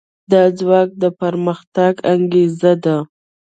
دا ځواک د پرمختګ انګېزه ده.